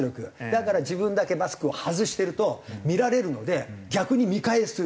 だから自分だけマスクを外してると見られるので逆に見返す。